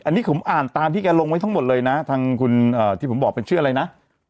อันนี้ผมอ่านตามที่แกลงไว้ทั้งหมดเลยนะทางคุณที่ผมบอกเป็นชื่ออะไรนะ